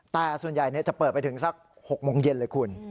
แต่ส่วนใหญ่จะเปิดไปถึงสัก๖โมงเย็นเลยคุณ